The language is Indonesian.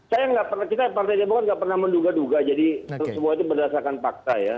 saya nggak pernah kita partai demokrat nggak pernah menduga duga jadi semua itu berdasarkan fakta ya